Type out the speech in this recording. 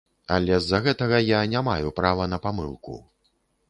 Але з-за гэтага я не маю права на памылку.